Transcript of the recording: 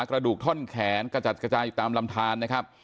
กระดูกท่อนแขนกระจัดกระจายอยู่ตามลำทานนะครับ